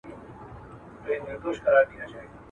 حجرې ته یم راغلې طالب جان مي پکښي نسته.